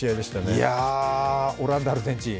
いやあ、オランダ×アルゼンチン。